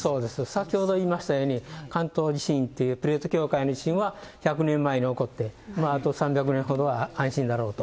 先ほど言いましたように、関東地震っていうプレート境界の地震は１００年前に起こって、あと３００年ほどは安心だろうと。